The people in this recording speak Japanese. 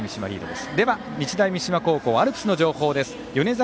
では、日大三島高校アルプスの情報です。